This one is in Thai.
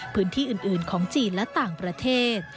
พื้นที่อื่นของจีนและต่างประเทศ